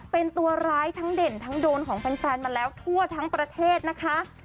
เป็นตัวร้ายทั้งเด่นทั้งโดนของแฟนมาแล้วทั่วทั้งประเทศนะคะ